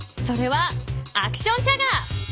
それはアクションチャガー！